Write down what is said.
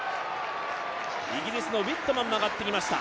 イギリスのウィットマンも上がってきました。